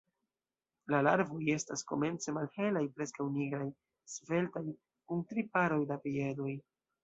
La larvoj estas komence malhelaj, preskaŭ nigraj, sveltaj, kun tri paroj da piedoj.